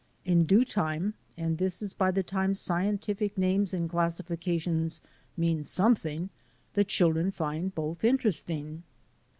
In due time — and this is by the time scientific names and classifica tions mean something — the children find both interesting.